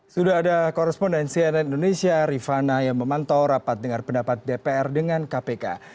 sudah ada koresponden cnn indonesia rifana yang memantau rapat dengar pendapat dpr dengan kpk